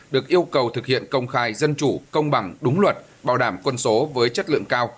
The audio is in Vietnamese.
được yêu cầu thực hiện công khai dân chủ công bằng đúng luật bảo đảm quân số với chất lượng cao